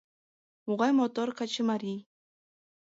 Могай мотор качымарий!